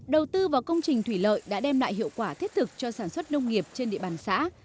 đầu tư vào công trình thủy lợi đã đem lại hiệu quả thiết thực cho sản xuất nông nghiệp trên địa bàn xã